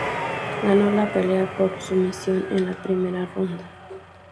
Ganó la pelea por sumisión en la primera ronda.